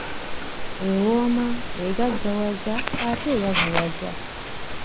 "Ewooma, egaggawaza ate eyavuwaza."